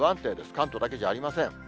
関東だけじゃありません。